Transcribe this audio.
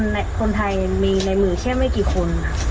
คนไทยมีในมือแค่ไม่กี่คนค่ะ